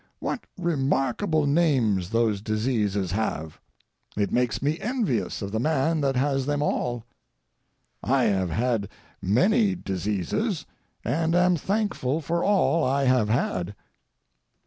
What remarkable names those diseases have! It makes me envious of the man that has them all. I have had many diseases, and am thankful for all I have had.